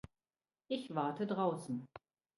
Ich warte draußen.